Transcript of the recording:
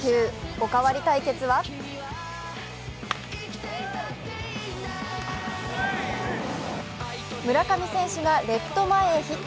お代わり対決は村上選手がレフト前へヒット。